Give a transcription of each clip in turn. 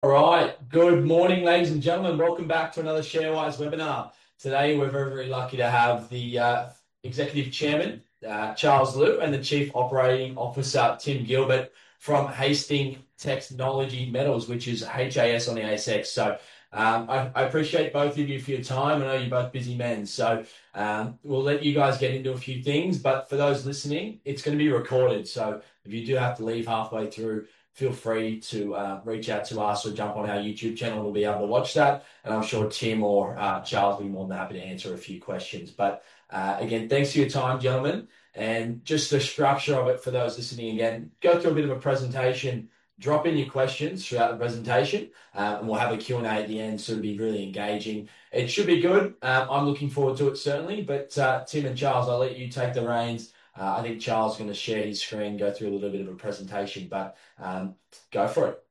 All right. Good morning, ladies and gentlemen. Welcome back to another ShareWise webinar. Today, we're very, very lucky to have the Executive Chairman, Charles Lew, and the Chief Operating Officer, Tim Gilbert, from Hastings Technology Metals, which is HAS on the ASX. I appreciate both of you for your time. I know you're both busy men. We'll let you guys get into a few things. For those listening, it's going to be recorded. If you do have to leave halfway through, feel free to reach out to us or jump on our YouTube channel. You'll be able to watch that. I'm sure Tim or Charles will be more than happy to answer a few questions. Again, thanks for your time, gentlemen. Just the structure of it for those listening again, go through a bit of a presentation, drop in your questions throughout the presentation, and we'll have a Q &A at the end. It will be really engaging. It should be good. I'm looking forward to it, certainly. Tim and Charles, I'll let you take the reins. I think Charles is going to share his screen, go through a little bit of a presentation, but go for it.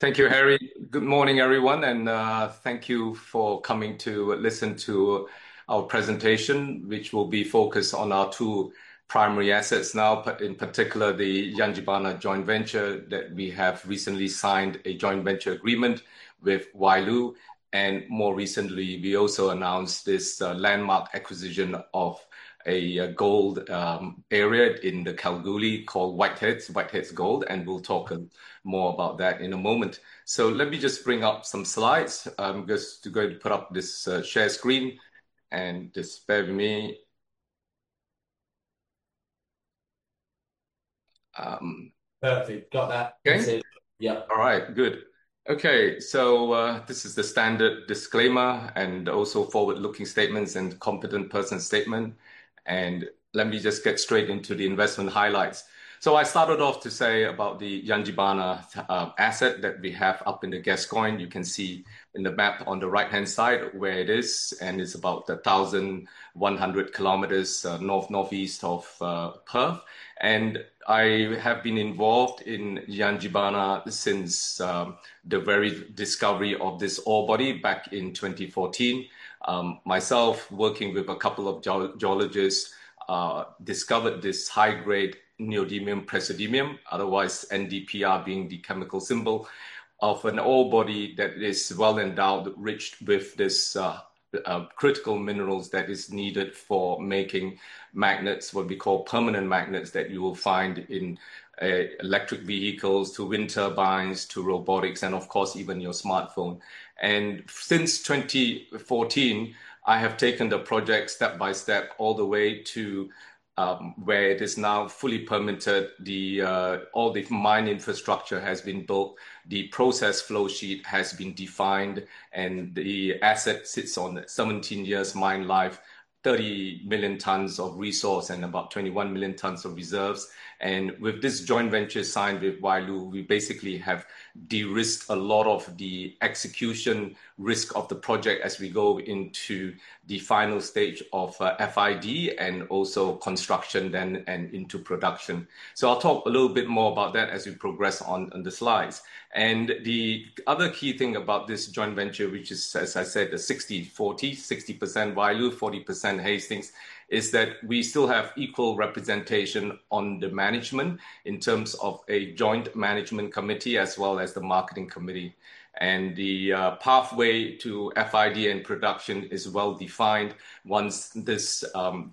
Thank you, Harry. Good morning, everyone. And thank you for coming to listen to our presentation, which will be focused on our two primary assets now, but in particular, the Yangibana Joint Venture that we have recently signed a joint venture agreement with Wyloo. And more recently, we also announced this landmark acquisition of a gold area in Kalgoorlie called Whiteheads Gold. And we'll talk more about that in a moment. Let me just bring up some slides. I'm just going to put up this share screen. And just bear with me. Perfect. Got that. Okay. Yeah. All right. Good. Okay. This is the standard disclaimer and also forward-looking statements and competent person statement. Let me just get straight into the investment highlights. I started off to say about the Yangibana asset that we have up in the Gascoyne. You can see in the map on the right-hand side where it is. It is about 1,100 km north-northeast of Perth. I have been involved in Yangibana since the very discovery of this ore body back in 2014. Myself, working with a couple of geologists, discovered this high-grade neodymium-praseodymium, otherwise NdPr being the chemical symbol of an ore body that is well endowed, rich with these critical minerals that are needed for making magnets, what we call permanent magnets that you will find in electric vehicles to wind turbines to robotics and, of course, even your smartphone. Since 2014, I have taken the project step by step all the way to where it is now fully permitted. All the mine infrastructure has been built. The process flowsheet has been defined. The asset sits on 17 years mine life, 30 million tons of resource, and about 21 million tons of reserves. With this joint venture signed with Wyloo, we basically have de-risked a lot of the execution risk of the project as we go into the final stage of FID and also construction then and into production. I will talk a little bit more about that as we progress on the slides. The other key thing about this joint venture, which is, as I said, the 60-40, 60% Wyloo, 40% Hastings, is that we still have equal representation on the management in terms of a joint management committee as well as the marketing committee. The pathway to FID and production is well defined once this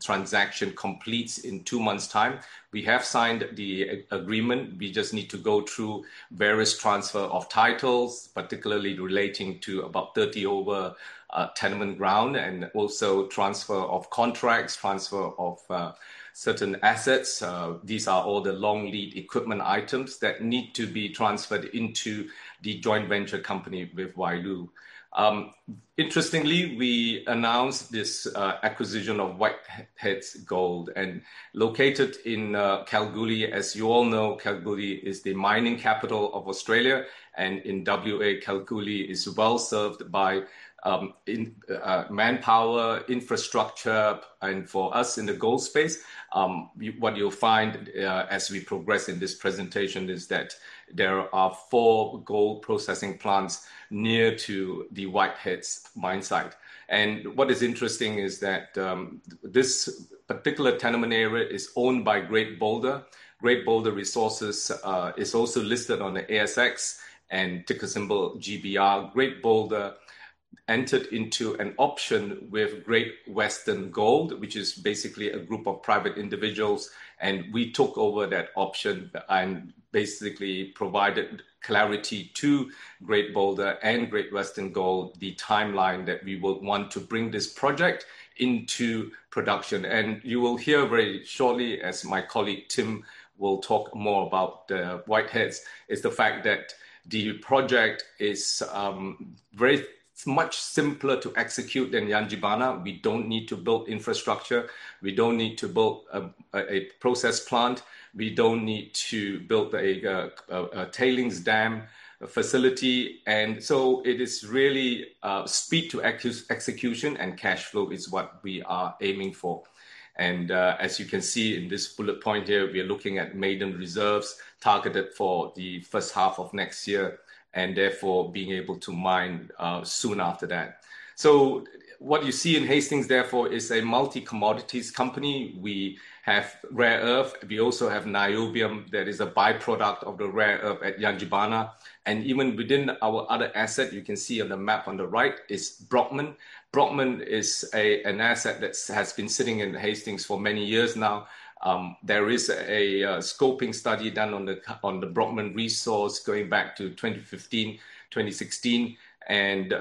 transaction completes in two months' time. We have signed the agreement. We just need to go through various transfer of titles, particularly relating to about 30 over tenement ground and also transfer of contracts, transfer of certain assets. These are all the long lead equipment items that need to be transferred into the joint venture company with Wyloo. Interestingly, we announced this acquisition of Whiteheads Gold and located in Kalgoorlie. As you all know, Kalgoorlie is the mining capital of Australia. In WA, Kalgoorlie is well served by manpower, infrastructure, and for us in the gold space, what you'll find as we progress in this presentation is that there are four gold processing plants near to the Whiteheads mine site. What is interesting is that this particular tenement area is owned by Great Boulder. Great Boulder Resources is also listed on the ASX and ticker symbol GBR. Great Boulder entered into an option with Great Western Gold, which is basically a group of private individuals. We took over that option and basically provided clarity to Great Boulder and Great Western Gold the timeline that we would want to bring this project into production. You will hear very shortly as my colleague Tim will talk more about the Whiteheads is the fact that the project is very much simpler to execute than Yangibana. We do not need to build infrastructure. We do not need to build a process plant. We do not need to build a tailings dam facility. It is really speed to execution and cash flow is what we are aiming for. As you can see in this bullet point here, we are looking at maiden reserves targeted for the first half of next year and therefore being able to mine soon after that. What you see in Hastings therefore is a multi-commodities company. We have rare earth. We also have niobium that is a byproduct of the rare earth at Yangibana. Even within our other asset, you can see on the map on the right is Brockman. Brockman is an asset that has been sitting in Hastings for many years now. There is a scoping study done on the Brockman resource going back to 2015, 2016.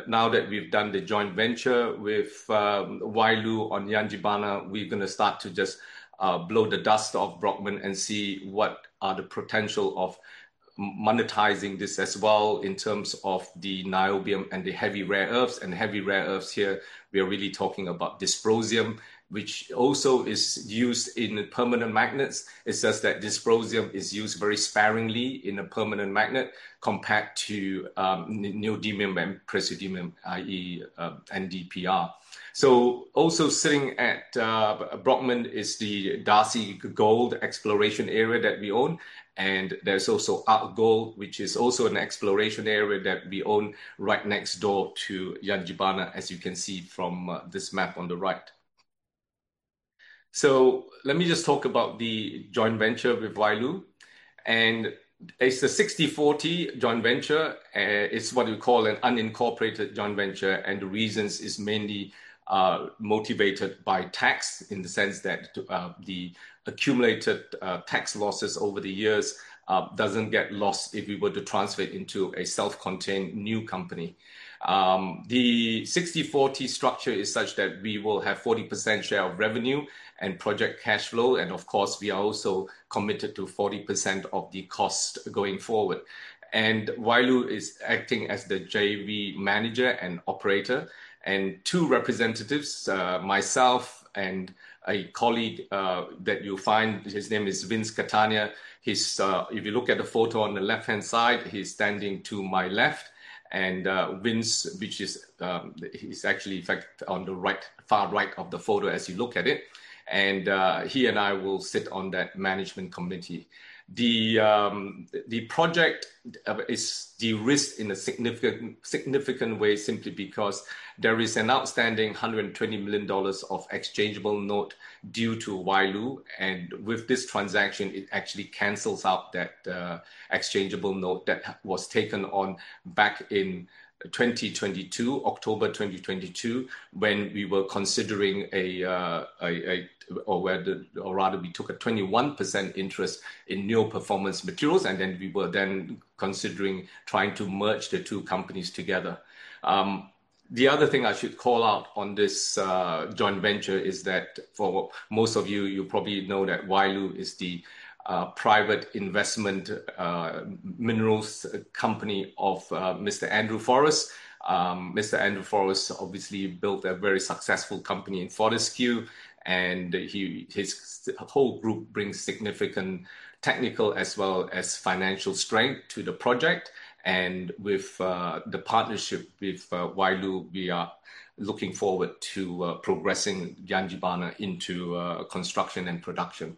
Now that we've done the joint venture with Wyloo on Yangibana, we're going to start to just blow the dust off Brockman and see what are the potential of monetizing this as well in terms of the niobium and the heavy rare earths. Heavy rare earths here, we are really talking about dysprosium, which also is used in permanent magnets. It's just that dysprosium is used very sparingly in a permanent magnet compared to neodymium and praseodymium, i.e., NdPr. Also sitting at Brockman is the Darcy Gold exploration area that we own. There's also Ark Gold, which is also an exploration area that we own right next door to Yangibana, as you can see from this map on the right. Let me just talk about the joint venture with Wyloo. It's a 60-40 joint venture. It's what we call an unincorporated joint venture. The reason is mainly motivated by tax in the sense that the accumulated tax losses over the years do not get lost if we were to transfer it into a self-contained new company. The 60-40 structure is such that we will have 40% share of revenue and project cash flow. Of course, we are also committed to 40% of the cost going forward. Wyloo is acting as the JV manager and operator, and two representatives, myself and a colleague that you will find, his name is Vince Catania. If you look at the photo on the left-hand side, he is standing to my left. Vince, which is actually in fact on the far right of the photo as you look at it. He and I will sit on that management committee. The project is de-risked in a significant way simply because there is an outstanding $12O million of exchangeable note due to Wyloo. With this transaction, it actually cancels out that exchangeable note that was taken on back in 2022, October 2022, when we were considering a, or rather we took a 21% interest in Neo Performance Materials. We were then considering trying to merge the two companies together. The other thing I should call out on this joint venture is that for most of you, you probably know that Wyloo is the private investment minerals company of Mr. Andrew Forrest. Mr. Andrew Forrest obviously built a very successful company in Fortescue. His whole group brings significant technical as well as financial strength to the project. With the partnership with Wyloo, we are looking forward to progressing Yangibana into construction and production.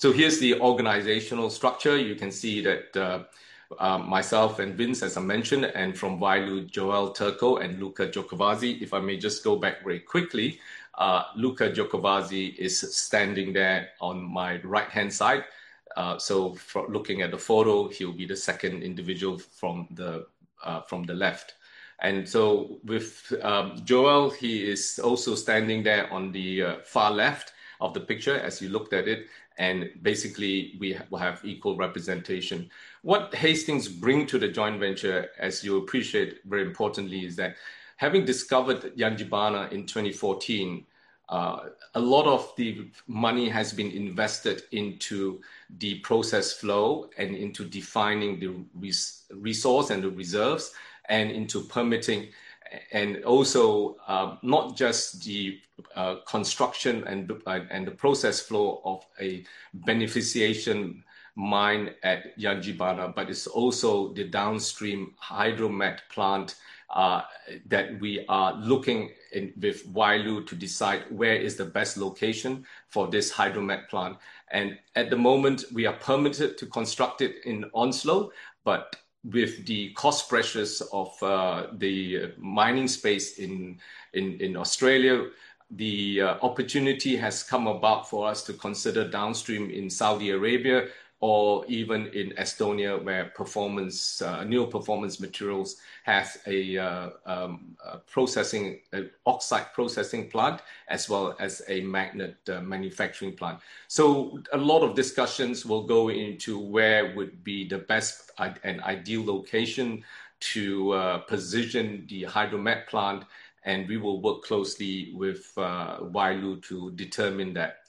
Here's the organizational structure. You can see that myself and Vince, as I mentioned, and from Wyloo, Joel Turko and Luca Giocovazzi. If I may just go back very quickly, Luca Giocovazzi is standing there on my right-hand side. Looking at the photo, he'll be the second individual from the left. With Joel, he is also standing there on the far left of the picture as you looked at it. Basically, we have equal representation. What Hastings brings to the joint venture, as you appreciate very importantly, is that having discovered Yangibana in 2014, a lot of the money has been invested into the process flow and into defining the resource and the reserves and into permitting and also not just the construction and the process flow of a beneficiation mine at Yangibana, but it's also the downstream hydromet plant that we are looking with Wyloo to decide where is the best location for this hydromet plant. At the moment, we are permitted to construct it in Onslow. With the cost pressures of the mining space in Australia, the opportunity has come about for us to consider downstream in Saudi Arabia or even in Estonia where Neo Performance Materials have a processing oxide processing plant as well as a magnet manufacturing plant. A lot of discussions will go into where would be the best and ideal location to position the hydromet plant. We will work closely with Wyloo to determine that.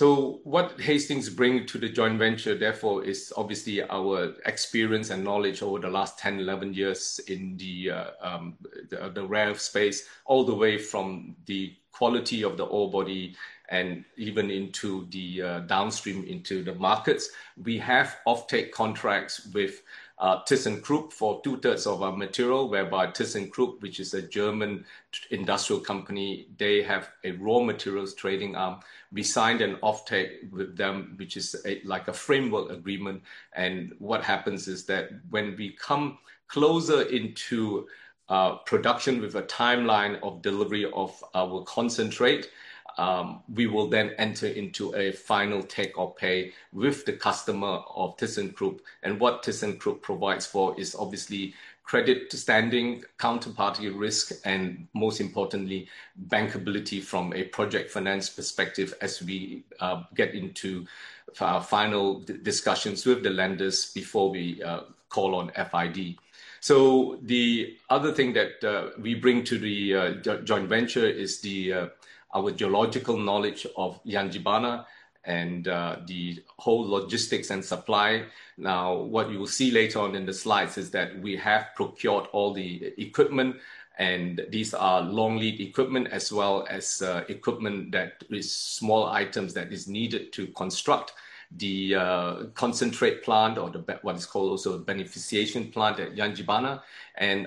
What Hastings brings to the joint venture therefore is obviously our experience and knowledge over the last 10, 11 years in the rare earth space, all the way from the quality of the ore body and even into the downstream into the markets. We have offtake contracts with ThyssenKrupp for two-thirds of our material, whereby ThyssenKrupp, which is a German industrial company, they have a raw materials trading arm. We signed an offtake with them, which is like a framework agreement. What happens is that when we come closer into production with a timeline of delivery of our concentrate, we will then enter into a final take-up pay with the customer of ThyssenKrupp. What ThyssenKrupp provides for is obviously credit-standing, counterparty risk, and most importantly, bankability from a project finance perspective as we get into final discussions with the lenders before we call on FID. The other thing that we bring to the joint venture is our geological knowledge of Yangibana and the whole logistics and supply. What you will see later on in the slides is that we have procured all the equipment. These are long lead equipment as well as equipment that is small items that are needed to construct the concentrate plant or what is also called a beneficiation plant at Yangibana.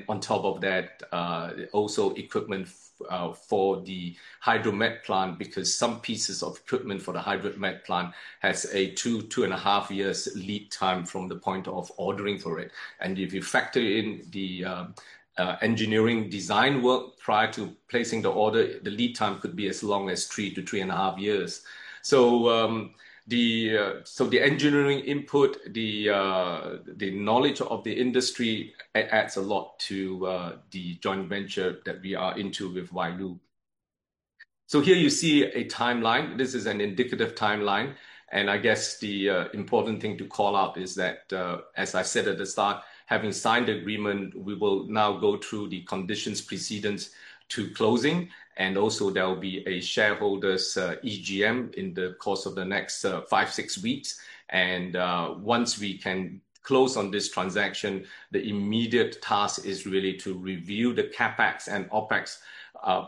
On top of that, also equipment for the hydromet plant because some pieces of equipment for the hydromet plant have a two, two and a half years lead time from the point of ordering for it. If you factor in the engineering design work prior to placing the order, the lead time could be as long as three to three and a half years. The engineering input, the knowledge of the industry adds a lot to the joint venture that we are into with Wyloo. Here you see a timeline. This is an indicative timeline. I guess the important thing to call out is that, as I said at the start, having signed the agreement, we will now go through the conditions precedents to closing. Also, there will be a shareholders' EGM in the course of the next five, six weeks. Once we can close on this transaction, the immediate task is really to review the CapEx and OpEx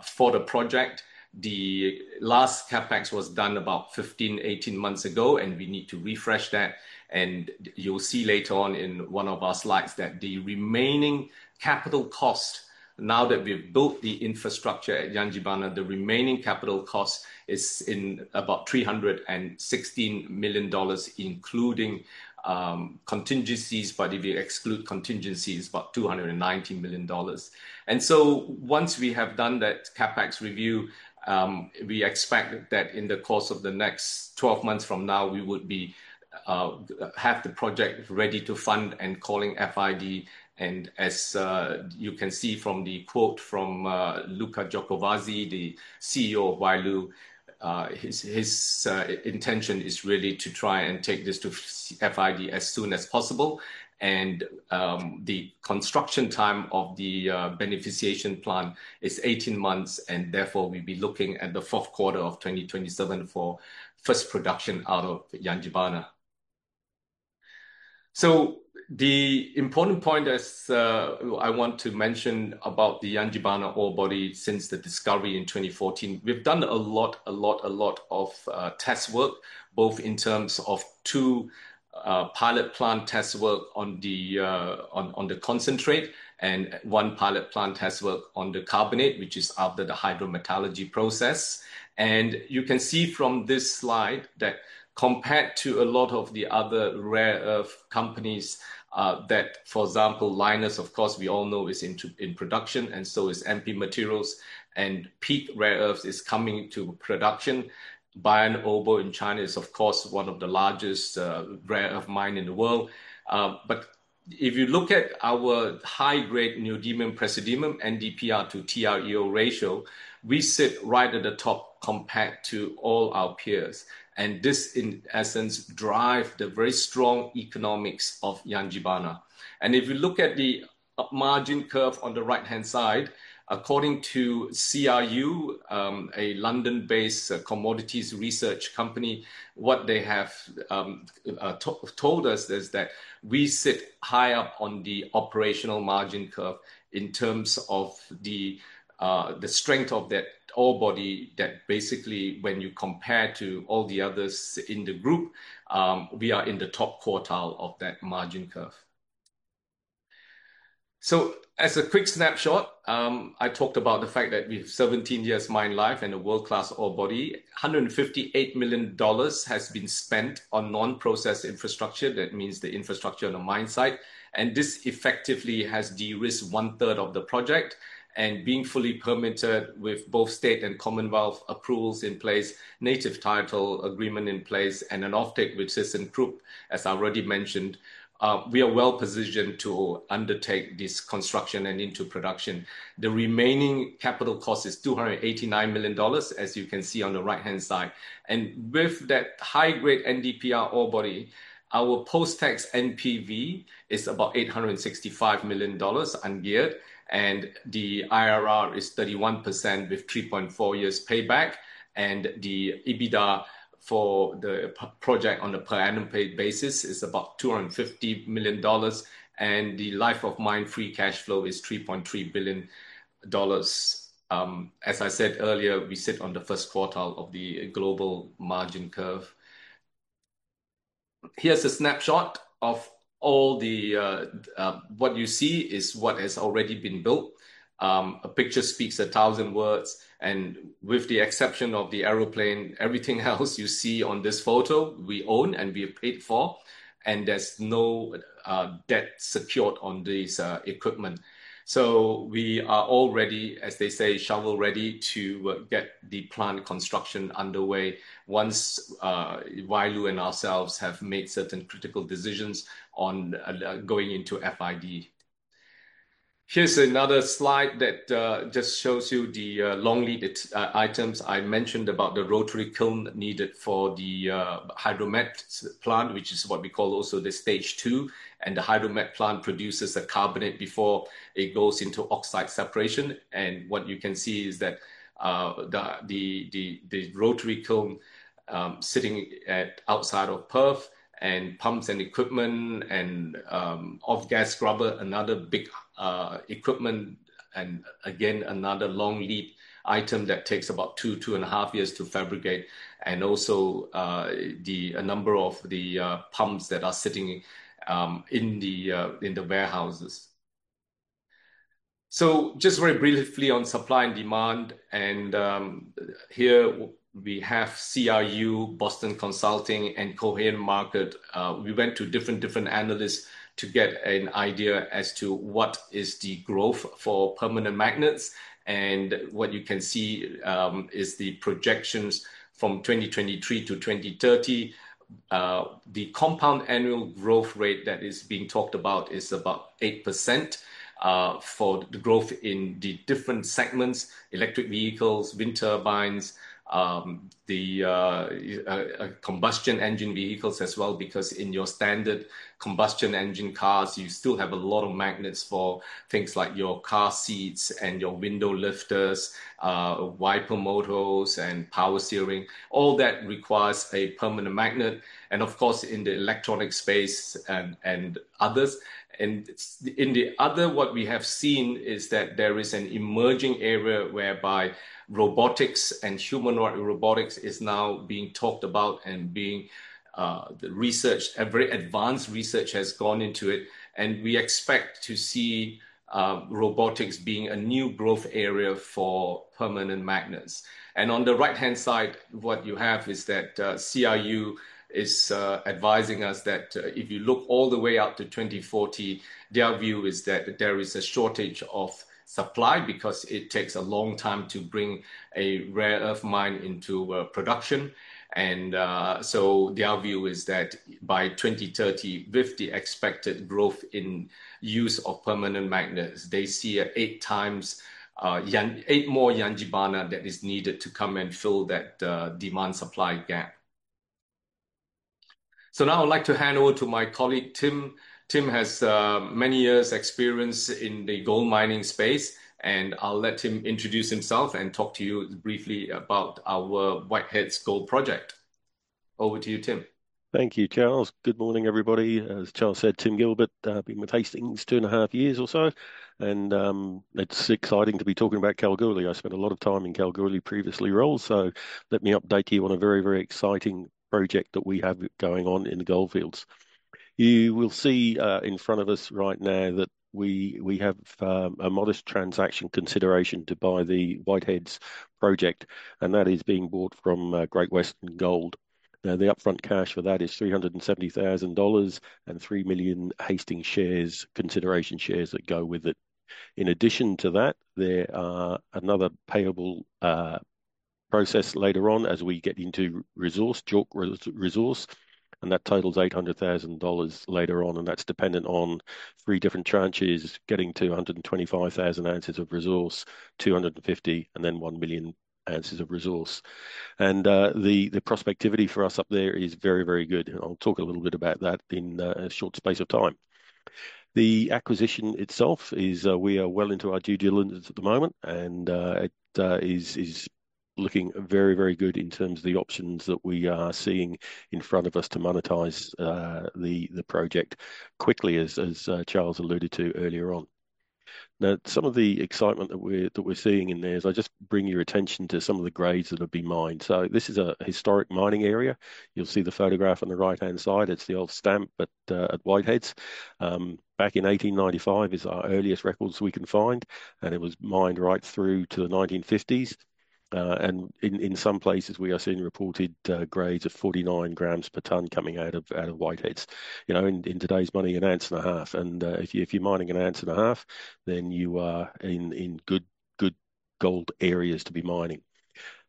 for the project. The last CapEx was done about 15, 18 months ago, and we need to refresh that. You'll see later on in one of our slides that the remaining capital cost, now that we've built the infrastructure at Yangibana, the remaining capital cost is in about $316 million, including contingencies, but if you exclude contingencies, about $219 million. Once we have done that CapEx review, we expect that in the course of the next 12 months from now, we would have the project ready to fund and calling FID. As you can see from the quote from Luca Giacovazzi, the CEO of Wyloo, his intention is really to try and take this to FID as soon as possible. The construction time of the beneficiation plant is 18 months. Therefore, we'll be looking at the fourth quarter of 2027 for first production out of Yangibana. The important point I want to mention about the Yangibana ore body since the discovery in 2014, we've done a lot, a lot of test work, both in terms of two pilot plant test work on the concentrate and one pilot plant test work on the carbonate, which is after the hydrometallurgy process. You can see from this slide that compared to a lot of the other rare earth companies that, for example, Lynas, of course, we all know is in production. MP Materials is also in production. Peak Rare Earths is coming to production. Bayan Obo in China is, of course, one of the largest rare earth mines in the world. If you look at our high-grade neodymium-praseodymium NdPr to TREO ratio, we sit right at the top compared to all our peers. This, in essence, drives the very strong economics of Yangibana. If you look at the margin curve on the right-hand side, according to CRU, a London-based commodities research company, what they have told us is that we sit high up on the operational margin curve in terms of the strength of that ore body. Basically, when you compare to all the others in the group, we are in the top quartile of that margin curve. As a quick snapshot, I talked about the fact that we have 17 years mine life and a world-class ore body. $158 million has been spent on non-processed infrastructure. That means the infrastructure on the mine site. This effectively has de-risked one-third of the project. Being fully permitted with both state and Commonwealth approvals in place, native title agreement in place, and an offtake with ThyssenKrupp, as I already mentioned, we are well-positioned to undertake this construction and into production. The remaining capital cost is $289 million, as you can see on the right-hand side. With that high-grade NdPr ore body, our post-tax NPV is about $865 million ungeared. The IRR is 31% with 3.4 years payback. The EBITDA for the project on a per annum basis is about $ 250 million. The life of mine free cash flow is $ 3.3 billion. As I said earlier, we sit on the first quartile of the global margin curve. Here is a snapshot of all the what you see is what has already been built. A picture speaks a thousand words. With the exception of the aeroplane, everything else you see on this photo, we own and we have paid for. There is no debt secured on this equipment. We are already, as they say, shovel-ready to get the plant construction underway once Wyloo and ourselves have made certain critical decisions on going into FID. Here's another slide that just shows you the long lead items. I mentioned about the rotary kiln needed for the hydromet plant, which is what we call also the stage two. The hydromet plant produces a carbonate before it goes into oxide separation. What you can see is that the rotary kiln is sitting outside of Perth and pumps and equipment and off-gas scrubber, another big equipment, and again, another long lead item that takes about two, two and a half years to fabricate. Also the number of the pumps that are sitting in the warehouses. Just very briefly on supply and demand. Here we have CRU, Boston Consulting Group, and Coherent Market Insights. We went to different analysts to get an idea as to what is the growth for permanent magnets. What you can see is the projections from 2023 to 2030. The compound annual growth rate that is being talked about is about 8% for the growth in the different segments, electric vehicles, wind turbines, the combustion engine vehicles as well, because in your standard combustion engine cars, you still have a lot of magnets for things like your car seats and your window lifters, wiper motors, and power steering. All that requires a permanent magnet. Of course, in the electronic space and others. In the other, what we have seen is that there is an emerging area whereby robotics and humanoid robotics is now being talked about and being researched. Very advanced research has gone into it. We expect to see robotics being a new growth area for permanent magnets. On the right-hand side, what you have is that CRU is advising us that if you look all the way out to 2040, their view is that there is a shortage of supply because it takes a long time to bring a rare earth mine into production. Their view is that by 2030, with the expected growth in use of permanent magnets, they see eight times eight more Yangibana that is needed to come and fill that demand-supply gap. Now I would like to hand over to my colleague, Tim. Tim has many years' experience in the gold mining space. I will let him introduce himself and talk to you briefly about our Whiteheads Gold project. Over to you, Tim. Thank you, Thank you, Charles. Good morning, everybody. As Charles said, Tim Gilbert, I've been with Hastings two and a half years or so. It's exciting to be talking about Kalgoorlie. I spent a lot of time in Kalgoorlie previously roles. Let me update you on a very, very exciting project that we have going on in the goldfields. You will see in front of us right now that we have a modest transaction consideration to buy the Whiteheads project. That is being bought from Great Western Gold. The upfront cash for that is $ 370,000 and 3 million Hastings shares, consideration shares that go with it. In addition to that, there are another payable process later on as we get into resource, JORC resource. That totals $ 800,000 later on. That's dependent on three different tranches, getting 225,000 ounces of resource, 250,000, and then 1 million ounces of resource. The prospectivity for us up there is very, very good. I'll talk a little bit about that in a short space of time. The acquisition itself is we are well into our due diligence at the moment. It is looking very, very good in terms of the options that we are seeing in front of us to monetize the project quickly, as Charles alluded to earlier on. Some of the excitement that we're seeing in there is I'll just bring your attention to some of the grades that have been mined. This is a historic mining area. You'll see the photograph on the right-hand side. It's the old stamp at Whiteheads. Back in 1895 is our earliest records we can find. It was mined right through to the 1950s. In some places, we are seeing reported grades of 49 grams per ton coming out of Whiteheads. In today's money, an ounce and a half. If you are mining an ounce and a half, then you are in good gold areas to be mining.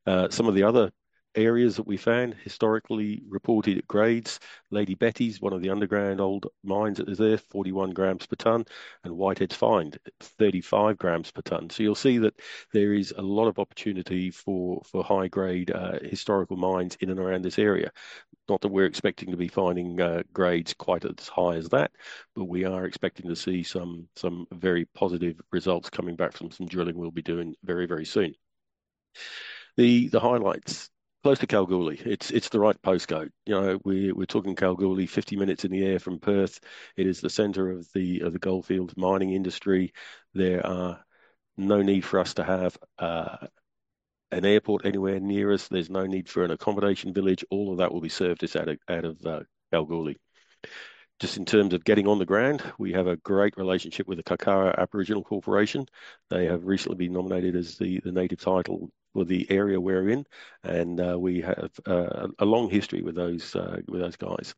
Some of the other areas that we found historically reported grades, Lady Betty's, one of the underground old mines that is there, 41 grams per ton, and Whiteheads Find, 35 grams per ton. You will see that there is a lot of opportunity for high-grade historical mines in and around this area. Not that we are expecting to be finding grades quite as high as that, but we are expecting to see some very positive results coming back from some drilling we will be doing very, very soon. The highlights close to Kalgoorlie. It is the right postcode. We are talking Kalgoorlie, 50 minutes in the air from Perth. It is the center of the goldfield mining industry. There are no need for us to have an airport anywhere near us. There's no need for an accommodation village. All of that will be served out of Kalgoorlie. Just in terms of getting on the ground, we have a great relationship with the Kakara Aboriginal Corporation. They have recently been nominated as the native title for the area we're in. We have a long history with those guys.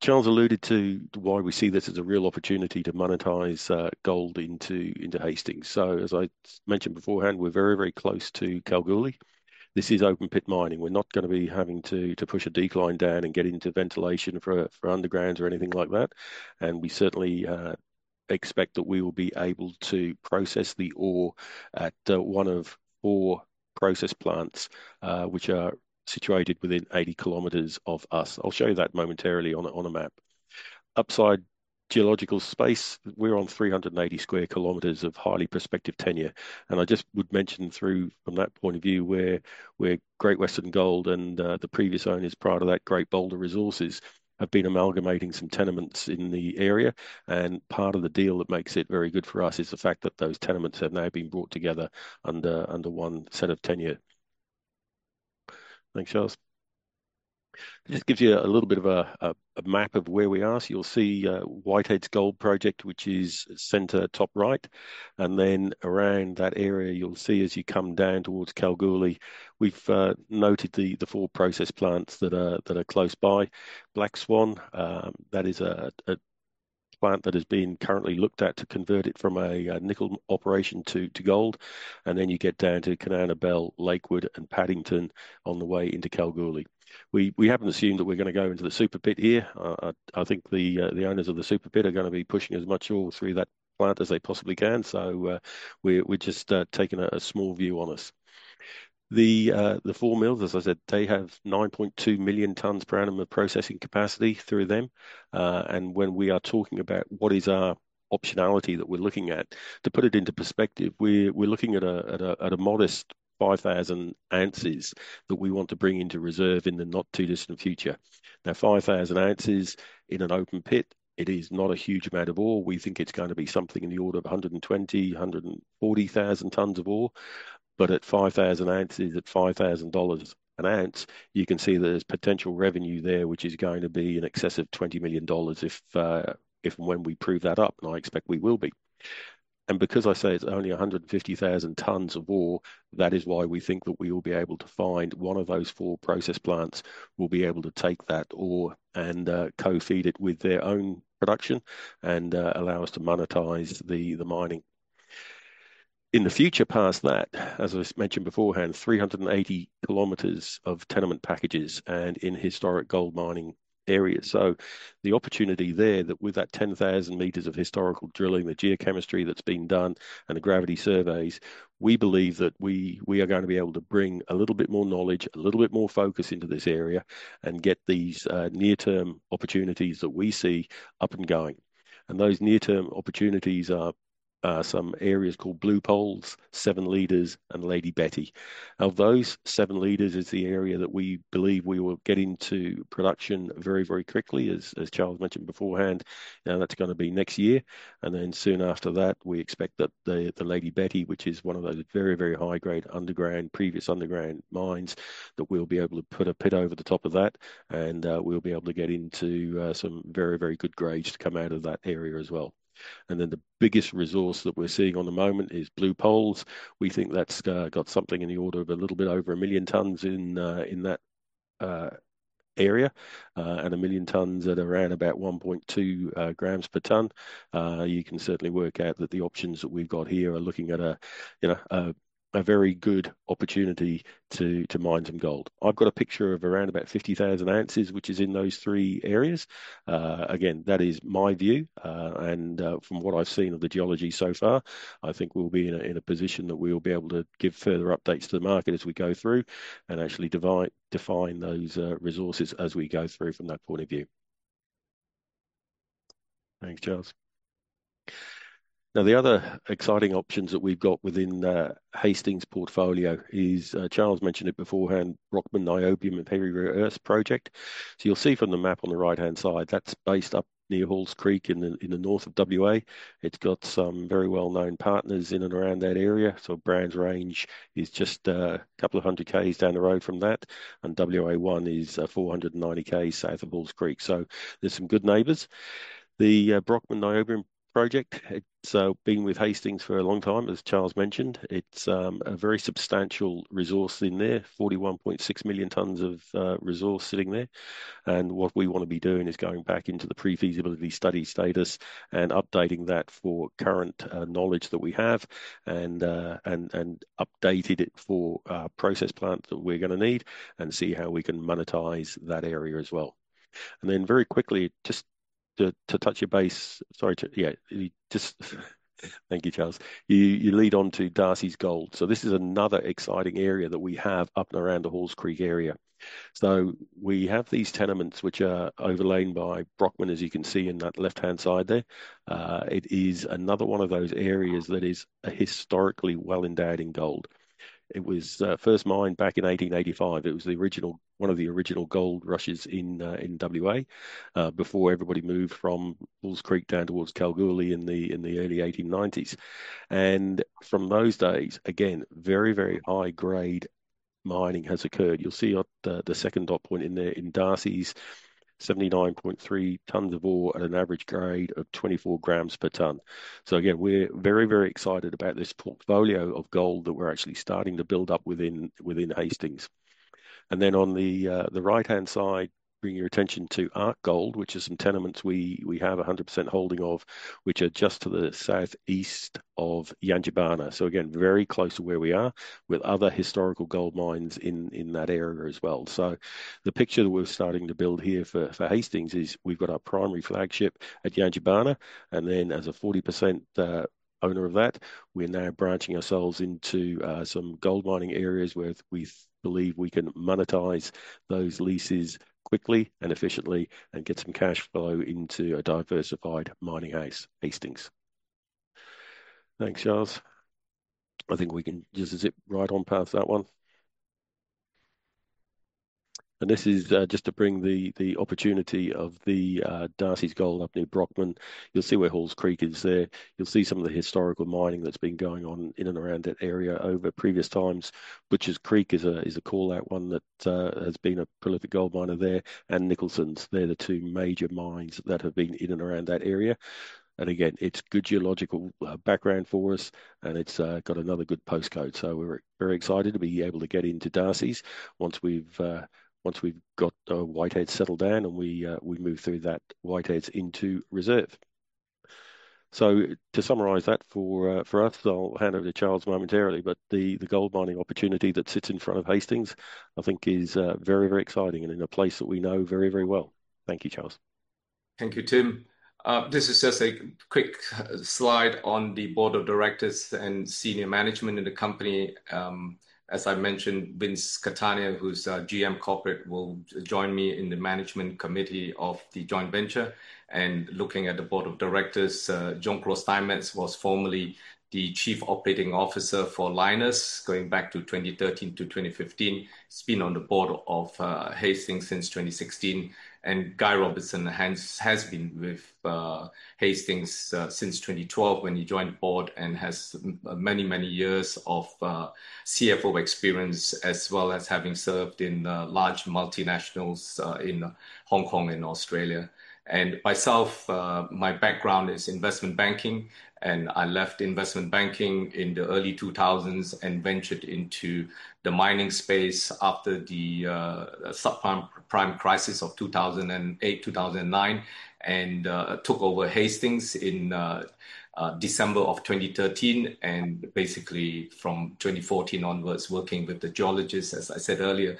Charles alluded to why we see this as a real opportunity to monetize gold into Hastings. As I mentioned beforehand, we're very, very close to Kalgoorlie. This is open-pit mining. We're not going to be having to push a decline down and get into ventilation for undergrounds or anything like that. We certainly expect that we will be able to process the ore at one of four process plants, which are situated within 80 km of us. I'll show you that momentarily on a map. Upside geological space, we're on 380 sq km of highly prospective tenure. I just would mention through from that point of view, Great Western Gold and the previous owners prior to that, Great Boulder Resources, have been amalgamating some tenements in the area. Part of the deal that makes it very good for us is the fact that those tenements have now been brought together under one set of tenure. Thanks, Charles. This gives you a little bit of a map of where we are. You'll see Whiteheads Gold Project, which is center top right. Around that area, you'll see as you come down towards Kalgoorlie, we've noted the four process plants that are close by. Black Swan, that is a plant that is currently looked at to convert it from a nickel operation to gold. You get down to Kanowna Belle, Lakewood, and Paddington on the way into Kalgoorlie. We haven't assumed that we're going to go into the super pit here. I think the owners of the super pit are going to be pushing as much ore through that plant as they possibly can. We're just taking a small view on us. The four mills, as I said, have 9.2 million tons per annum of processing capacity through them. When we are talking about what is our optionality that we're looking at, to put it into perspective, we're looking at a modest 5,000 ounces that we want to bring into reserve in the not too distant future. Now, 5,000 ounces in an open pit, it is not a huge amount of ore. We think it's going to be something in the order of 120,000-140,000 tons of ore. At 5,000 ounces, at $5,000 an ounce, you can see that there's potential revenue there, which is going to be in excess of $20 million if and when we prove that up. I expect we will be. Because I say it is only 150,000 tons of ore, that is why we think that we will be able to find one of those four process plants will be able to take that ore and co-feed it with their own production and allow us to monetize the mining. In the future past that, as I mentioned beforehand, 380 kilometers of tenement packages and in historic gold mining areas. The opportunity there is that with that 10,000 meters of historical drilling, the geochemistry that has been done, and the gravity surveys, we believe that we are going to be able to bring a little bit more knowledge, a little bit more focus into this area and get these near-term opportunities that we see up and going. Those near-term opportunities are some areas called Blue Poles, Seven Leaders, and Lady Betty. Now, those Seven Leaders is the area that we believe we will get into production very, very quickly, as Charles mentioned beforehand. That is going to be next year. Soon after that, we expect that the Lady Betty, which is one of those very, very high-grade underground, previous underground mines, that we will be able to put a pit over the top of that. We will be able to get into some very, very good grades to come out of that area as well. The biggest resource that we are seeing at the moment is Blue Poles. We think that has got something in the order of a little bit over 1 million tons in that area and 1 million tons at around about 1.2 grams per ton. You can certainly work out that the options that we've got here are looking at a very good opportunity to mine some gold. I've got a picture of around about 50,000 ounces, which is in those three areas. Again, that is my view. And from what I've seen of the geology so far, I think we'll be in a position that we'll be able to give further updates to the market as we go through and actually define those resources as we go through from that point of view. Thanks, Charles. Now, the other exciting options that we've got within Hastings' portfolio is Charles mentioned it beforehand, Brockman Niobium and Rare Earth project. You'll see from the map on the right-hand side, that's based up near Halls Creek in the north of WA. It's got some very well-known partners in and around that area. Brands Range is just a couple of hundred km down the road from that. WA1 is 490 km south of Halls Creek. There are some good neighbors. The Brockman Niobium project, it has been with Hastings for a long time, as Charles mentioned. It is a very substantial resource in there, 41.6 million tons of resource sitting there. What we want to be doing is going back into the pre-feasibility study status and updating that for current knowledge that we have and updating it for process plants that we are going to need and see how we can monetize that area as well. Very quickly, just to touch your base, sorry, yeah, just thank you, Charles. You lead on to Darcy's Gold. This is another exciting area that we have up and around the Halls Creek area. We have these tenements, which are overlain by Brockman, as you can see in that left-hand side there. It is another one of those areas that is historically well-endowed in gold. It was first mined back in 1885. It was one of the original gold rushes in WA before everybody moved from Halls Creek down towards Kalgoorlie in the early 1890s. From those days, again, very, very high-grade mining has occurred. You'll see the second dot point in there in Darcy's, 79.3 tons of ore at an average grade of 24 grams per ton. Again, we're very, very excited about this portfolio of gold that we're actually starting to build up within Hastings. On the right-hand side, bring your attention to Ark Gold, which is some tenements we have 100% holding of, which are just to the southeast of Yangibana. Again, very close to where we are with other historical gold mines in that area as well. The picture that we're starting to build here for Hastings is we've got our primary flagship at Yangibana. As a 40% owner of that, we're now branching ourselves into some gold mining areas where we believe we can monetize those leases quickly and efficiently and get some cash flow into a diversified mining Hastings. Thanks, Charles. I think we can just zip right on past that one. This is just to bring the opportunity of the Darcy's Gold up near Brockman. You'll see where Halls Creek is there. You'll see some of the historical mining that's been going on in and around that area over previous times, which is Creek is a callout one that has been a prolific gold miner there. Nicholson's, they're the two major mines that have been in and around that area. Again, it's good geological background for us. It's got another good postcode. We're very excited to be able to get into Darcy's once we've got Whiteheads settled down and we move through that Whiteheads into reserve. To summarize that for us, I'll hand over to Charles momentarily, but the gold mining opportunity that sits in front of Hastings, I think, is very, very exciting and in a place that we know very, very well. Thank you, Charles Thank you, Tim. Just to assess a quick slide on the board of directors and senior management in the company. As I mentioned, Vince Catania, who's GM Corporate, will join me in the management committee of the joint venture. Looking at the board of directors, John Cross was formerly the Chief Operating Officer for Lynas going back to 2013 to 2015. He has been on the board of Hastings since 2016. Guy Robertson has been with Hastings since 2012 when he joined the board and has many, many years of CFO experience as well as having served in large multinationals in Hong Kong and Australia. Myself, my background is investment banking. I left investment banking in the early 2000s and ventured into the mining space after the subprime crisis of 2008, 2009, and took over Hastings in December of 2013. Basically, from 2014 onwards, working with the geologists, as I said earlier,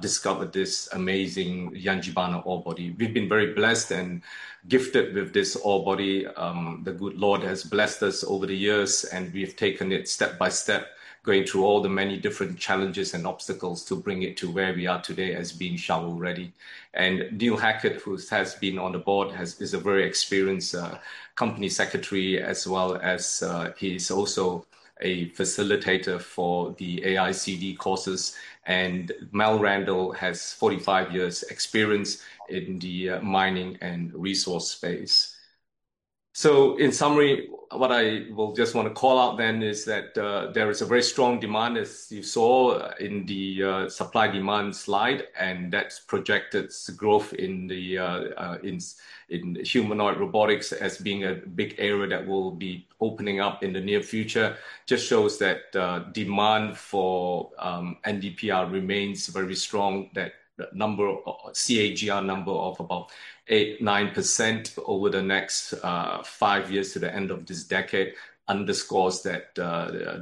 discovered this amazing Yangibana ore body. We have been very blessed and gifted with this ore body. The good Lord has blessed us over the years, and we've taken it step by step, going through all the many different challenges and obstacles to bring it to where we are today as being shallow ready. Neil Hackett, who has been on the board, is a very experienced Company Secretary, as well as he's also a facilitator for the AICD courses. Mel Randall has 45 years' experience in the mining and resource space. In summary, what I will just want to call out then is that there is a very strong demand, as you saw in the supply demand slide, and that's projected growth in humanoid robotics as being a big area that will be opening up in the near future. Just shows that demand for NdPr remains very strong, that number, CAGR number of about 8%-9% over the next five years to the end of this decade underscores that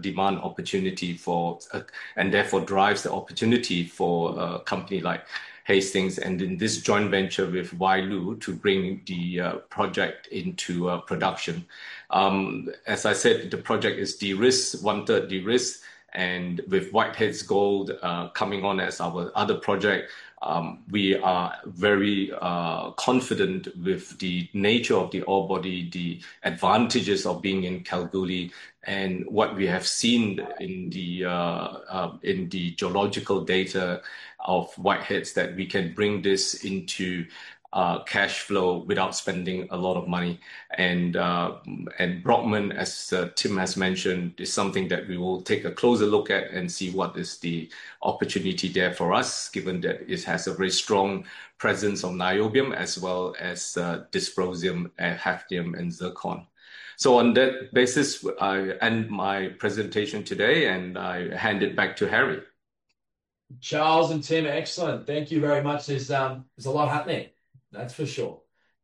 demand opportunity for and therefore drives the opportunity for a company like Hastings and in this joint venture with Wyloo to bring the project into production. As I said, the project is DRI, one-third DRI. And with Whiteheads Gold coming on as our other project, we are very confident with the nature of the ore body, the advantages of being in Kalgoorlie, and what we have seen in the geological data of Whiteheads that we can bring this into cash flow without spending a lot of money. Brockman, as Tim has mentioned, is something that we will take a closer look at and see what is the opportunity there for us, given that it has a very strong presence of niobium as well as dysprosium, haptium, and zircon. On that basis, I end my presentation today and I hand it back to Harry. Charles and Tim, excellent. Thank you very much. There is a lot happening, that's for sure.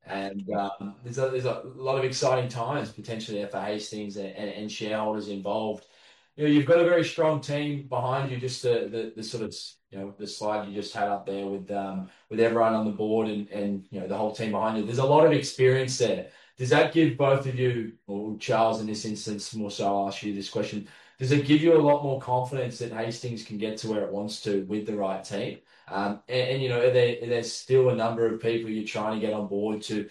There are a lot of exciting times potentially for Hastings and shareholders involved. You have a very strong team behind you, just the sort of slide you just had up there with everyone on the board and the whole team behind you. There is a lot of experience there. Does that give both of you, or Charles in this instance, more so I'll ask you this question, does it give you a lot more confidence that Hastings can get to where it wants to with the right team? And there's still a number of people you're trying to get on board to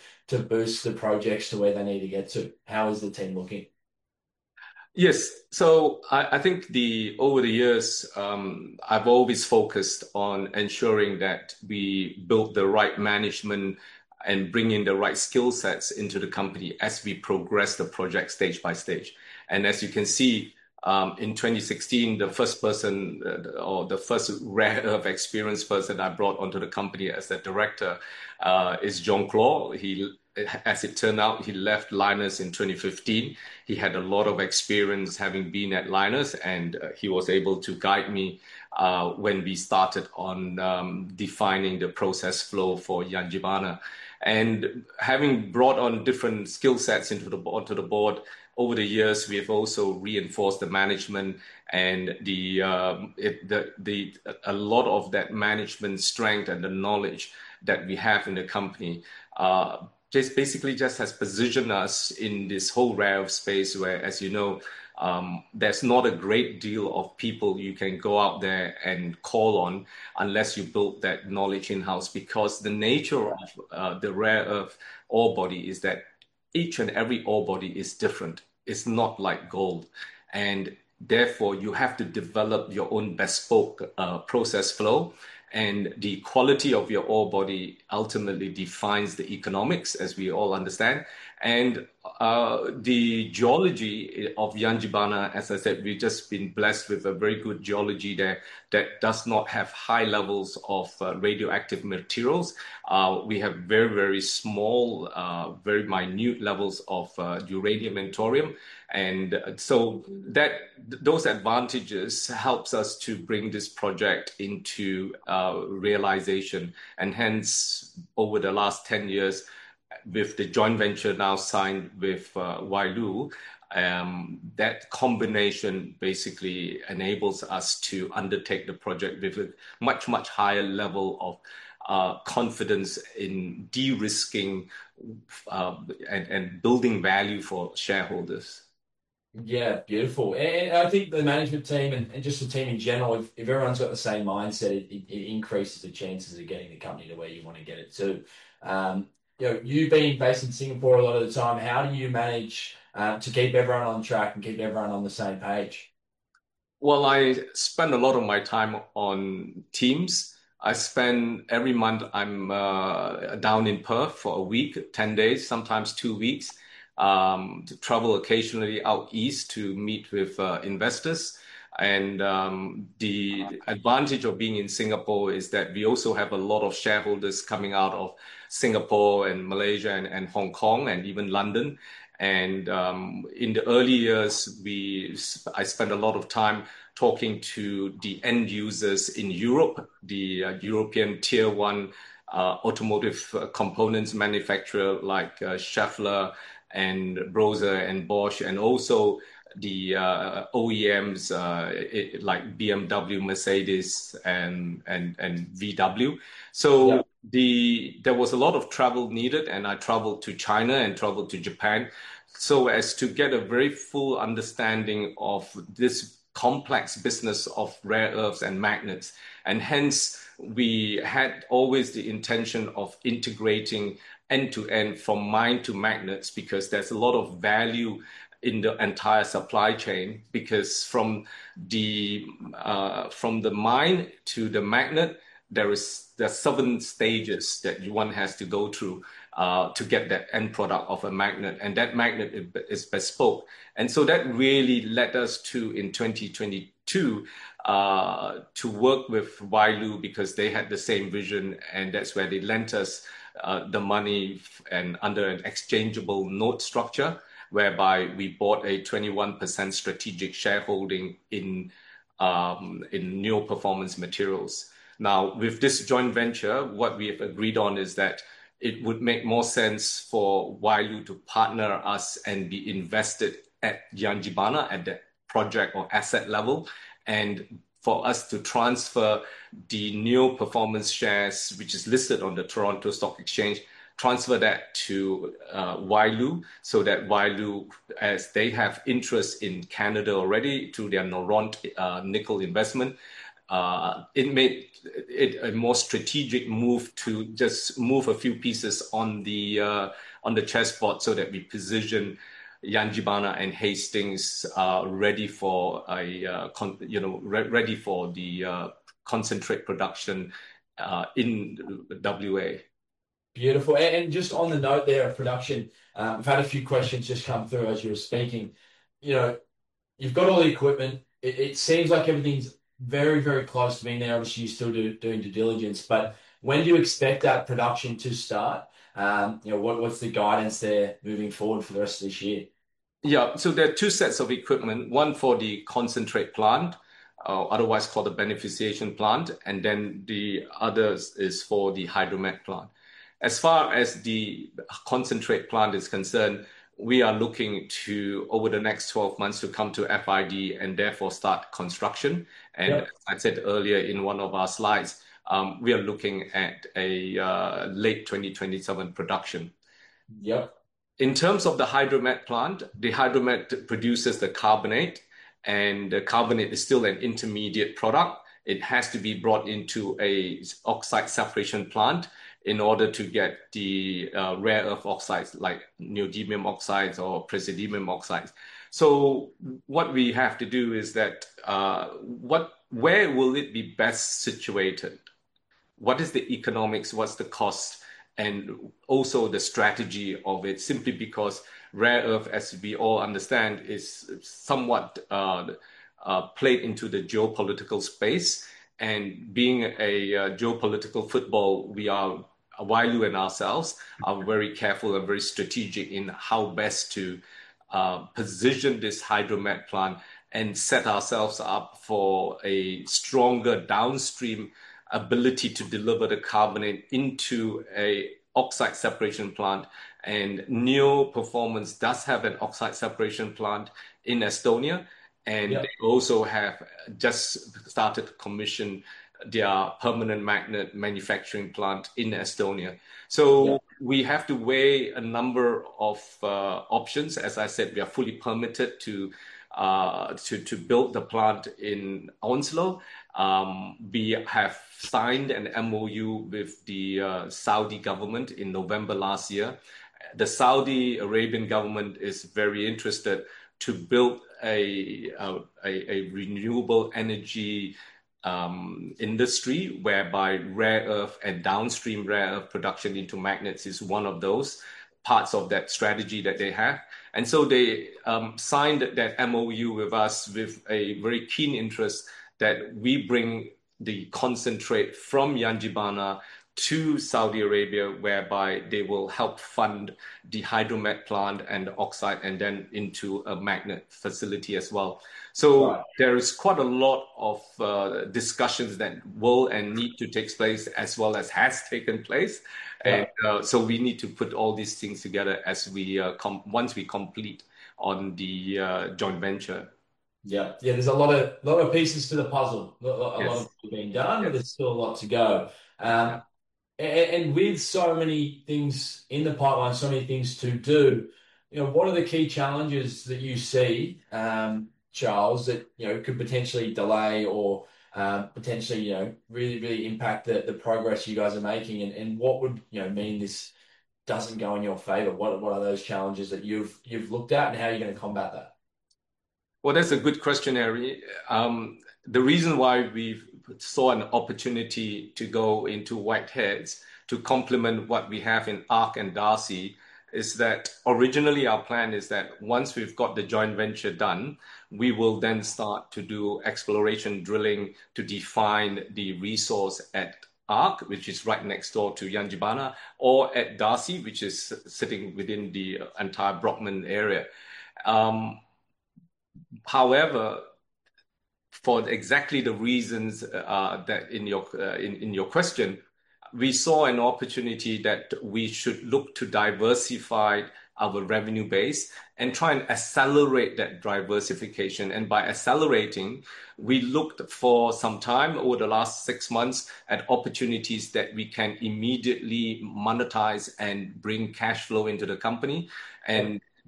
boost the projects to where they need to get to. How is the team looking? Yes. I think over the years, I've always focused on ensuring that we build the right management and bring in the right skill sets into the company as we progress the project stage by stage. As you can see, in 2016, the first person or the first rare earth experienced person I brought onto the company as the director is John Cross. As it turned out, he left Lynas in 2015. He had a lot of experience having been at Lynas, and he was able to guide me when we started on defining the process flow for Yangibana. Having brought on different skill sets into the board over the years, we have also reinforced the management and a lot of that management strength and the knowledge that we have in the company just basically has positioned us in this whole rare earth space where, as you know, there's not a great deal of people you can go out there and call on unless you build that knowledge in-house because the nature of the rare earth ore body is that each and every ore body is different. It's not like gold. Therefore, you have to develop your own bespoke process flow. The quality of your ore body ultimately defines the economics, as we all understand. The geology of Yangibana, as I said, we have just been blessed with a very good geology there that does not have high levels of radioactive materials. We have very, very small, very minute levels of uranium and thorium. Those advantages help us to bring this project into realization. Over the last 10 years, with the joint venture now signed with Wyloo, that combination basically enables us to undertake the project with a much, much higher level of confidence in de-risking and building value for shareholders. Yeah, beautiful. I think the management team and just the team in general, if everyone's got the same mindset, it increases the chances of getting the company to where you want to get it to. You have been based in Singapore a lot of the time. How do you manage to keep everyone on track and keep everyone on the same page? I spend a lot of my time on teams. I spend every month I'm down in Perth for a week, 10 days, sometimes two weeks, to travel occasionally out east to meet with investors. The advantage of being in Singapore is that we also have a lot of shareholders coming out of Singapore and Malaysia and Hong Kong and even London. In the early years, I spent a lot of time talking to the end users in Europe, the European tier one automotive components manufacturer like Schaeffler and Brose and Bosch, and also the OEMs like BMW, Mercedes, and VW. There was a lot of travel needed, and I traveled to China and traveled to Japan so as to get a very full understanding of this complex business of rare earths and magnets. Hence, we had always the intention of integrating end to end from mine to magnets because there is a lot of value in the entire supply chain because from the mine to the magnet, there are seven stages that one has to go through to get that end product of a magnet. That magnet is bespoke. That really led us to, in 2022, work with Wyloo because they had the same vision. That is where they lent us the money under an exchangeable note structure whereby we bought a 21% strategic shareholding in Neo Performance Materials. Now, with this joint venture, what we have agreed on is that it would make more sense for Wyloo to partner us and be invested at Yangibana at that project or asset level and for us to transfer the Neo Performance Materials shares, which is listed on the Toronto Stock Exchange, transfer that to Wyloo so that Wyloo, as they have interest in Canada already through their Noront nickel investment, it made a more strategic move to just move a few pieces on the chessboard so that we position Yangibana and Hastings ready for the concentrate production in WA. Beautiful. Just on the note there of production, I've had a few questions just come through as you were speaking. You've got all the equipment. It seems like everything's very, very close to being there. Obviously, you're still doing due diligence. When do you expect that production to start? What's the guidance there moving forward for the rest of this year? Yeah. There are two sets of equipment, one for the concentrate plant, otherwise called the beneficiation plant, and then the other is for the hydromet plant. As far as the concentrate plant is concerned, we are looking to, over the next 12 months, to come to FID and therefore start construction. As I said earlier in one of our slides, we are looking at a late 2027 production. In terms of the hydromet plant, the hydromet produces the carbonate, and the carbonate is still an intermediate product. It has to be brought into an oxide separation plant in order to get the rare earth oxides like neodymium oxides or praseodymium oxides. What we have to do is that where will it be best situated? What is the economics? What's the cost? Also the strategy of it simply because rare earth, as we all understand, is somewhat played into the geopolitical space. Being a geopolitical football, we, Wyloo and ourselves, are very careful and very strategic in how best to position this hydromet plant and set ourselves up for a stronger downstream ability to deliver the carbonate into an oxide separation plant. Neo Performance does have an oxide separation plant in Estonia. They also have just started to commission their permanent magnet manufacturing plant in Estonia. We have to weigh a number of options. As I said, we are fully permitted to build the plant in Onslow. We have signed an MOU with the Saudi government in November last year. The Saudi Arabian government is very interested to build a renewable energy industry whereby rare earth and downstream rare earth production into magnets is one of those parts of that strategy that they have. They signed that MOU with us with a very keen interest that we bring the concentrate from Yangibana to Saudi Arabia whereby they will help fund the hydromet plant and the oxide and then into a magnet facility as well. There is quite a lot of discussions that will and need to take place as well as has taken place. We need to put all these things together once we complete the joint venture. Ye. Yeah. There's a lot of pieces to the puzzle, a lot of being done, and there's still a lot to go .With so many things in the pipeline, so many things to do, what are the key challenges that you see, Charles, that could potentially delay or potentially really, really impact the progress you guys are making? What would mean this does not go in your favor? What are those challenges that you have looked at and how are you going to combat that? That is a good question, Harry. The reason why we saw an opportunity to go into Whiteheads to complement what we have in Ark and Darcy is that originally our plan is that once we have got the joint venture done, we will then start to do exploration drilling to define the resource at Ark, which is right next door to Yangibana, or at Darcy, which is sitting within the entire Brockman area. However, for exactly the reasons that in your question, we saw an opportunity that we should look to diversify our revenue base and try and accelerate that diversification. By accelerating, we looked for some time over the last six months at opportunities that we can immediately monetize and bring cash flow into the company.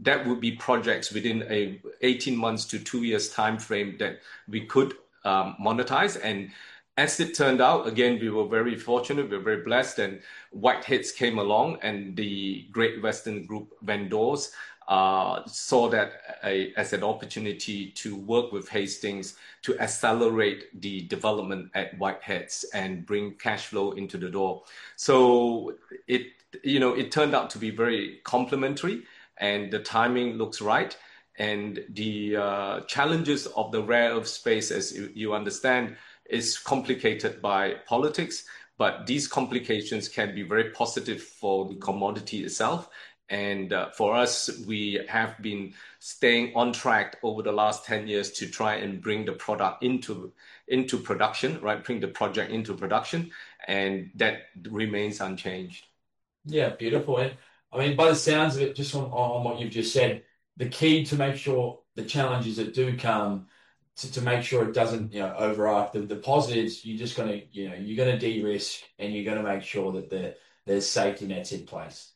That would be projects within an 18-month to two-year timeframe that we could monetize. As it turned out, again, we were very fortunate. We were very blessed. Whiteheads came along, and the Great Western Gold vendors saw that as an opportunity to work with Hastings to accelerate the development at Whiteheads and bring cash flow into the door. It turned out to be very complementary, and the timing looks right. The challenges of the rare earth space, as you understand, are complicated by politics. These complications can be very positive for the commodity itself. For us, we have been staying on track over the last 10 years to try and bring the product into production, bring the project into production. That remains unchanged. Yeah. Beautiful. I mean, by the sounds of it, just on what you've just said, the key to make sure the challenges that do come, to make sure it doesn't override the positives, you're just going to de-risk, and you're going to make sure that there's safety nets in place.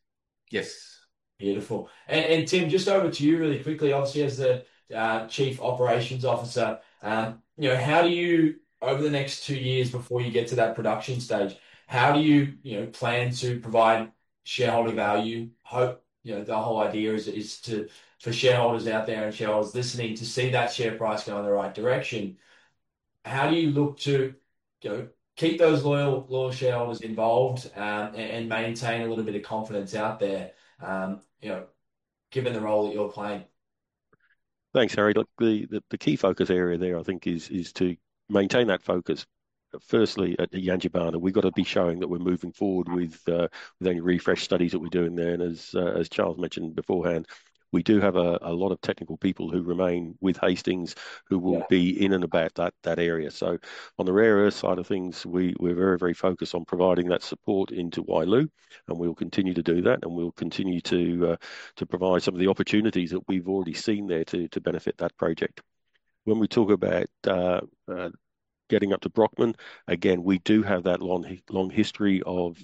Yes. Beautiful. Tim, just over to you really quickly, obviously, as the Chief Operating Officer, how do you, over the next two years before you get to that production stage, how do you plan to provide shareholder value? Hope the whole idea is for shareholders out there and shareholders listening to see that share price go in the right direction. How do you look to keep those loyal shareholders involved and maintain a little bit of confidence out there given the role that you're playing? Thanks, Harry. The key focus area there, I think, is to maintain that focus. Firstly, at Yangibana, we've got to be showing that we're moving forward with any refresh studies that we're doing there. As Charles mentioned beforehand, we do have a lot of technical people who remain with Hastings who will be in and about that area. On the rare earth side of things, we're very, very focused on providing that support into Wyloo. We'll continue to do that. We'll continue to provide some of the opportunities that we've already seen there to benefit that project. When we talk about getting up to Brockman, again, we do have that long history of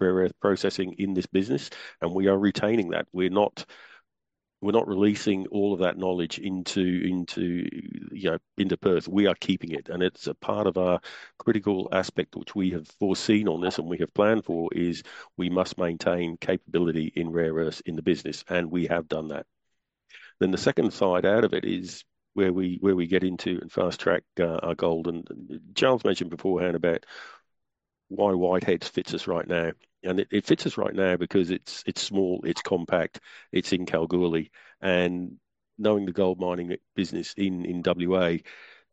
rare earth processing in this business. We are retaining that. We're not releasing all of that knowledge into Perth. We are keeping it. It's a part of our critical aspect, which we have foreseen on this and we have planned for, is we must maintain capability in rare earths in the business. We have done that. The second side out of it is where we get into and fast track our goal. Charles mentioned beforehand about why Whiteheads fits us right now. It fits us right now because it's small, it's compact, it's in Kalgoorlie. Knowing the gold mining business in WA,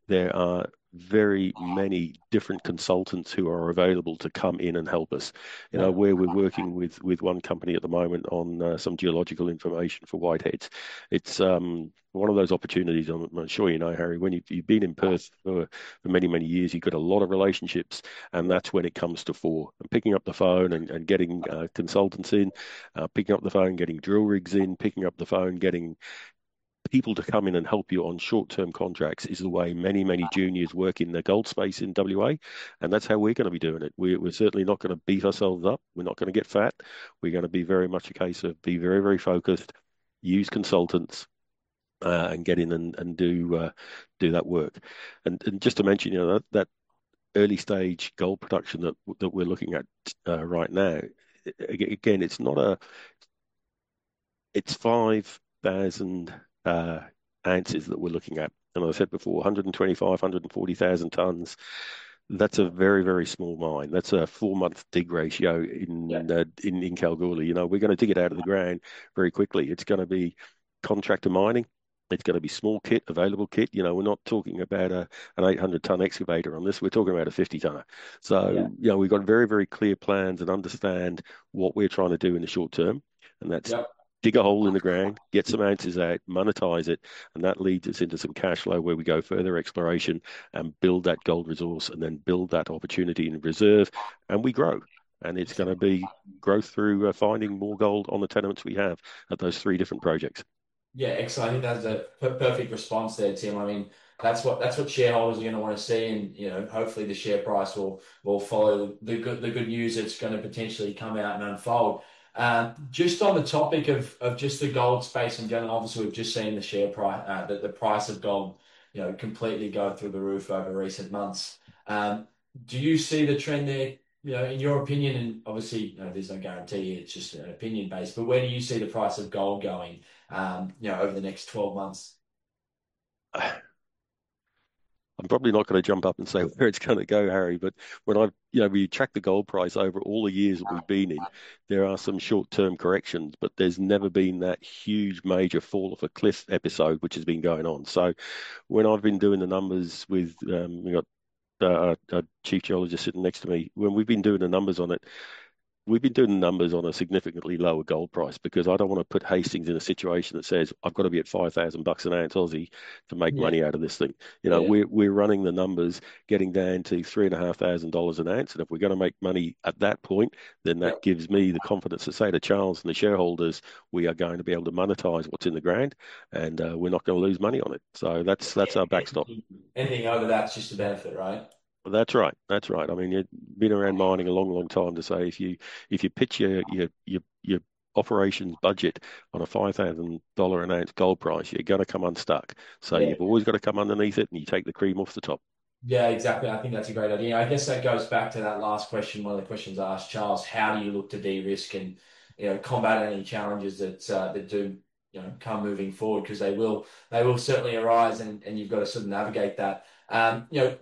there are very many different consultants who are available to come in and help us. We're working with one company at the moment on some geological information for Whiteheads. It's one of those opportunities. I'm sure you know, Harry, when you've been in Perth for many, many years, you've got a lot of relationships. That's when it comes to fore. Picking up the phone and getting consultants in, picking up the phone, getting drill rigs in, picking up the phone, getting people to come in and help you on short-term contracts is the way many, many juniors work in the gold space in WA. That's how we're going to be doing it. We're certainly not going to beat ourselves up. We're not going to get fat. We're going to be very much a case of be very, very focused, use consultants, and get in and do that work. Just to mention that early stage gold production that we're looking at right now, again, it's 5,000 ounces that we're looking at. I said before, 125,000-140,000 tons. That's a very, very small mine. That's a four-month dig ratio in Kalgoorlie. We're going to dig it out of the ground very quickly. It's going to be contractor mining. It's going to be small kit, available kit. We're not talking about an 800-ton excavator on this. We're talking about a 50-tonner. We have very, very clear plans and understand what we're trying to do in the short term. That's dig a hole in the ground, get some ounces out, monetize it. That leads us into some cash flow where we go further exploration and build that gold resource and then build that opportunity in reserve. We grow.It is going to be growth through finding more gold on the tenements we have at those three different projects. Yeah. Excellent. I think that is a perfect response there, Tim. I mean, that is what shareholders are going to want to see. Hopefully, the share price will follow the good news that is going to potentially come out and unfold. Just on the topic of just the gold space in general, obviously, we have just seen the price of gold completely go through the roof over recent months. Do you see the trend there, in your opinion? Obviously, there is no guarantee. It is just an opinion base. Where do you see the price of gold going over the next 12 months? I'm probably not going to jump up and say where it's going to go, Harry, but when we track the gold price over all the years that we've been in, there are some short-term corrections, but there's never been that huge major fall of a cliff episode, which has been going on. When I've been doing the numbers with a Chief Geologist sitting next to me, when we've been doing the numbers on it, we've been doing the numbers on a significantly lower gold price because I don't want to put Hastings in a situation that says, "I've got to be at 5,000 bucks an ounce to make money out of this thing." We're running the numbers, getting down to 3,500 dollars an ounce. If we're going to make money at that point, then that gives me the confidence to say to Charles and the shareholders, "We are going to be able to monetize what's in the ground, and we're not going to lose money on it." That's our backstop. Anything over that's just a benefit, right? That's right. That's right. I mean, you've been around mining a long, long time to say if you pitch your operations budget on a $5,000 an ounce gold price, you're going to come unstuck. You've always got to come underneath it, and you take the cream off the top. Yeah, exactly. I think that's a great idea. I guess that goes back to that last question, one of the questions I asked Charles, how do you look to de-risk and combat any challenges that do come moving forward? Because they will certainly arise, and you've got to sort of navigate that.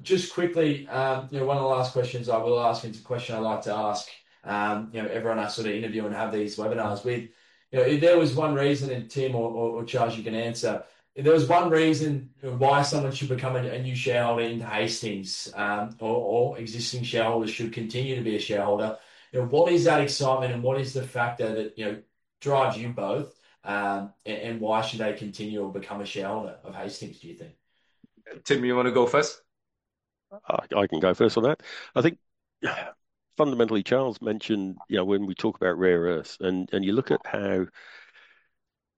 Just quickly, one of the last questions I will ask is a question I like to ask everyone I sort of interview and have these webinars with. If there was one reason, and Tim or Charles, you can answer, if there was one reason why someone should become a new shareholder into Hastings or existing shareholders should continue to be a shareholder, what is that excitement and what is the factor that drives you both? And why should they continue or become a shareholder of Hastings, do you think? Tim, you want to go first? I can go first on that.I think fundamentally, Charles mentioned when we talk about rare earths and you look at how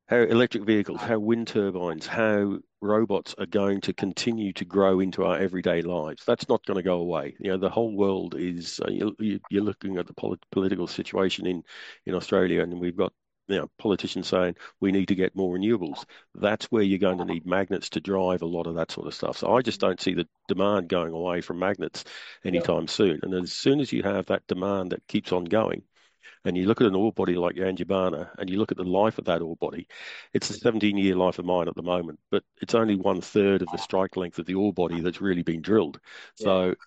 electric vehicles, how wind turbines, how robots are going to continue to grow into our everyday lives, that's not going to go away. The whole world is you're looking at the political situation in Australia, and we've got politicians saying, "We need to get more renewables." That's where you're going to need magnets to drive a lot of that sort of stuff. I just don't see the demand going away from magnets anytime soon. As soon as you have that demand that keeps on going, and you look at an ore body like Yangibana, and you look at the life of that ore body, it's a 17-year life of mine at the moment, but it's only one-third of the strike length of the ore body that's really been drilled.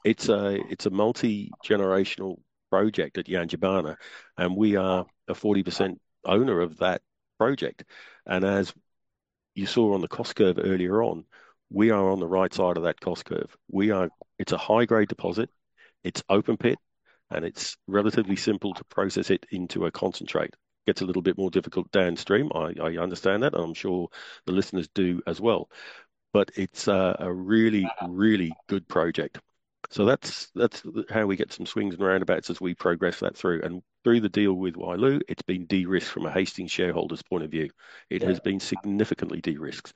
It's a multi-generational project at Yangibana, and we are a 40% owner of that project. As you saw on the cost curve earlier on, we are on the right side of that cost curve. It's a high-grade deposit. It's open-pit, and it's relatively simple to process it into a concentrate. It gets a little bit more difficult downstream. I understand that, and I'm sure the listeners do as well. It's a really, really good project. That's how we get some swings and roundabouts as we progress that through. Through the deal with Wyloo, it's been de-risked from a Hastings shareholder's point of view. It has been significantly de-risked.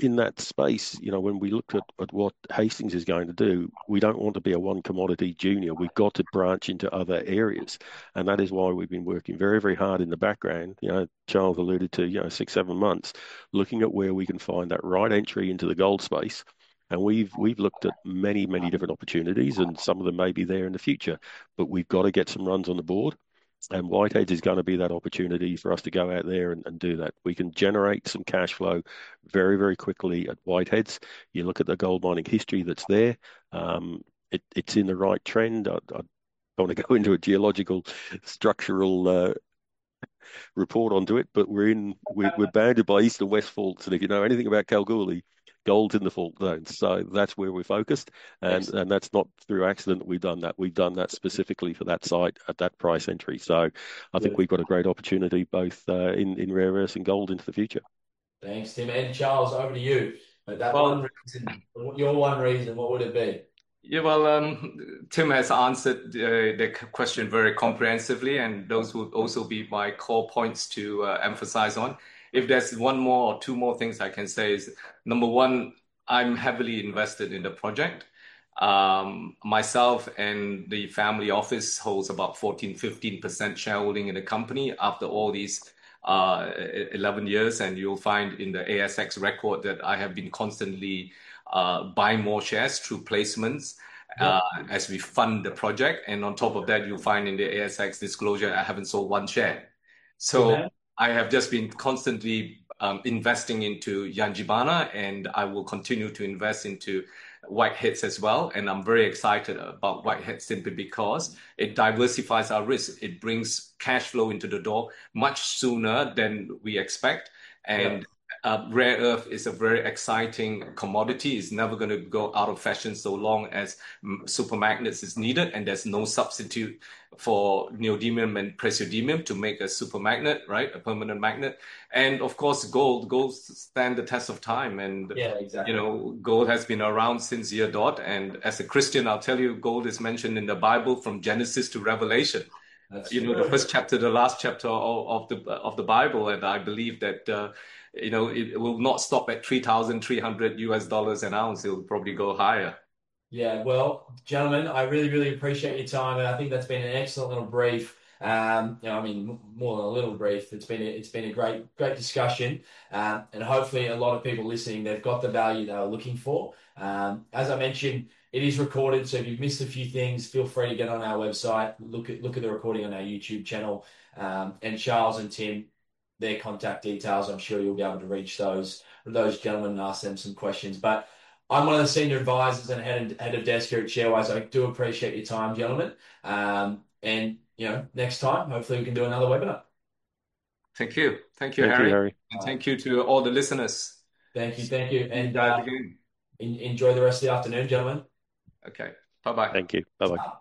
In that space, when we looked at what Hastings is going to do, we don't want to be a one commodity junior. We've got to branch into other areas. That is why we've been working very, very hard in the background. Charles alluded to six, seven months, looking at where we can find that right entry into the gold space. We've looked at many, many different opportunities, and some of them may be there in the future. We've got to get some runs on the board. Whiteheads is going to be that opportunity for us to go out there and do that. We can generate some cash flow very, very quickly at Whiteheads. You look at the gold mining history that's there. It's in the right trend. I don't want to go into a geological structural report onto it, but we're bounded by east and west faults. If you know anything about Kalgoorlie, gold's in the fault zone. That is where we're focused. That is not through accident that we've done that. We've done that specifically for that site at that price entry. I think we've got a great opportunity both in rare earths and gold into the future. Thanks, Tim. Charles, over to you. Your one reason, what would it be? yeah ,Tim has answered the question very comprehensively, and those would also be my core points to emphasize on. If there's one more or two more things I can say is, number one, I'm heavily invested in the project. Myself and the family office holds about 14-15% shareholding in the company after all these 11 years. You'll find in the ASX record that I have been constantly buying more shares through placements as we fund the project. On top of that, you'll find in the ASX disclosure, I haven't sold one share. I have just been constantly investing into Yangibana, and I will continue to invest into Whiteheads as well. I'm very excited about Whiteheads simply because it diversifies our risk. It brings cash flow into the door much sooner than we expect. Rare earth is a very exciting commodity. It's never going to go out of fashion so long as super magnets are needed. There's no substitute for neodymium and praseodymium to make a super magnet, a permanent magnet. Of course, gold stands the test of time. Gold has been around since the year dot. As a Christian, I'll tell you, gold is mentioned in the Bible from Genesis to Revelation, the first chapter, the last chapter of the Bible. I believe that it will not stop at $3,300 an ounce. It'll probably go higher. Yeah. Gentlemen, I really, really appreciate your time. I think that has been an excellent little brief. I mean, more than a little brief. It has been a great discussion. Hopefully, a lot of people listening have got the value they are looking for. As I mentioned, it is recorded. If you have missed a few things, feel free to get on our website and look at the recording on our YouTube channel. Charles and Tim, their contact details, I am sure you will be able to reach those gentlemen and ask them some questions. I am one of the senior advisors and Head of Desk here at ShareWise. I do appreciate your time, gentlemen. Next time, hopefully, we can do another webinar. Thank you. Thank you, Harry. Thank you, Harry. Thank you to all the listeners. Thank you. Thank you. Enjoy the rest of the afternoon, gentlemen. Okay. Bye-bye. Thank you. Bye-bye.